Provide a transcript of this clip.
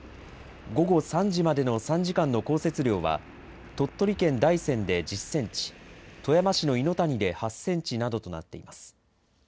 午後３時までの３時間の降雪量は鳥取県大山で１０センチ、富山市の猪谷で８センチなどとなっています。